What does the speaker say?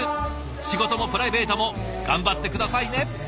仕事もプライベートも頑張って下さいね！